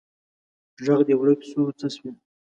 ږغ دي ورک سو څه سوي